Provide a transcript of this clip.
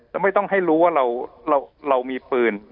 แล้วไม่ต้องให้รู้ว่าอาวุธเรามีฟื้น